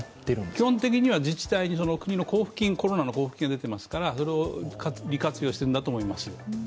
基本的には自治体に国のコロナの交付金が出ていますからそれを利活用しているんだろうと思います。